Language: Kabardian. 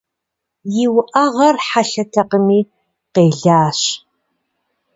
И уӏэгъэр хьэлъэтэкъыми къелащ.